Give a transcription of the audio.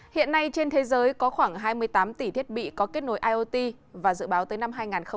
hiện nay trên thế giới có khoảng hai mươi tám tỷ thiết bị có kết nối iot và dự báo tới năm hai nghìn hai mươi